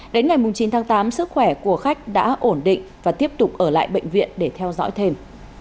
đến ngày chín tháng tám sức khỏe của khách đã ổn định và tiếp tục ở lại bệnh viện để theo dõi thêm